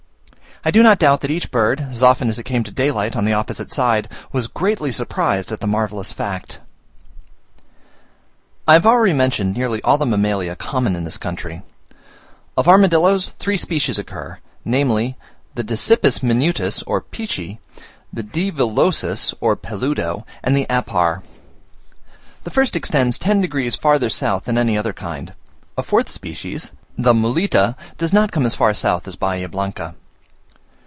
I do not doubt that each bird, as often as it came to daylight on the opposite side, was greatly surprised at the marvellous fact. I have already mentioned nearly all the mammalia common in this country. Of armadilloes three species occur namely, the Dasypus minutus or pichy, the D. villosus or peludo, and the apar. The first extends ten degrees further south than any other kind; a fourth species, the Mulita, does not come as far south as Bahia Blanca.